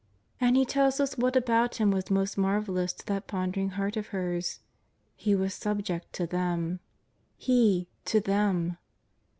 89 And he tells us what about Him was most marvellous to that pondering heart of hers :'' He was subject to them." He — to them!